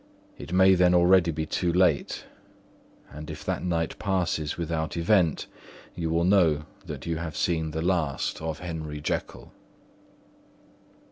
It may then already be too late; and if that night passes without event, you will know that you have seen the last of Henry Jekyll."